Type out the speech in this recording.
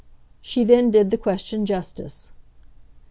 She then did the question justice.